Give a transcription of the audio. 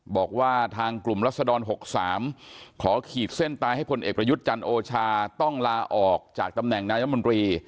บอกว่าทางกลุ่มรัศดร๖๓ขอขีดเส้นตายให้พลเอกประยุทธ์จันทร์โอชาต้องลาออกจากตำแหน่งนายมนตรี